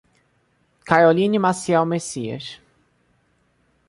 Caroline Maciel Messias